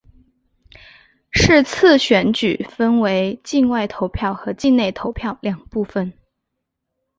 是次选举分为境外投票和境内投票两部分。